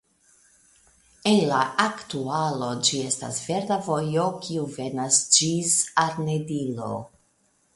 En la aktualo ĝi estas verda vojo kiu venas ĝis Arnedillo.